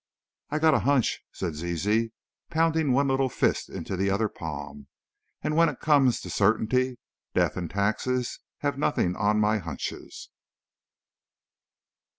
"I've got a hunch," said Zizi, pounding one little fist into the other palm, "and when it comes to certainty, Death and Taxes have nothing on my hunches!"